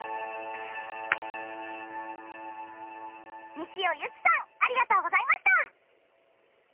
西尾夕紀さんありがとうございました。